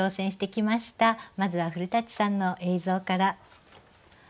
まずは古さんの映像から。